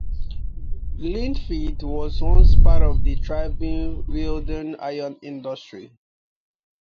Lindfield was once part of the thriving Wealden iron industry.